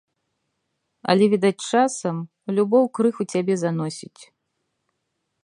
Але, відаць, часам любоў крыху цябе заносіць.